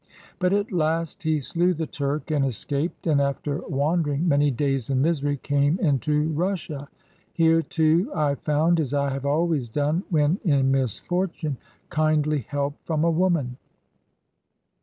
But at last he slew the Turk and escaped, and after wandering many days in misery came into Russia. ^'Here, too, I found, as I have always done when in misfortune, kindly help from a woman."